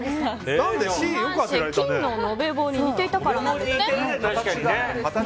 金の延べ棒に似ていたからなんですね。